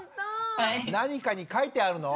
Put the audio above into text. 何かに書いてあるの？